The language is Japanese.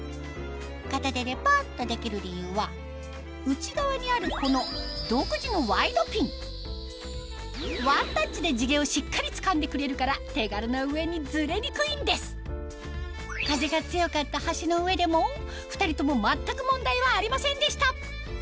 片手でポンとできる理由は内側にあるこのワンタッチで地毛をしっかりつかんでくれるから手軽な上にズレにくいんです風が強かった橋の上でも２人とも全く問題はありませんでした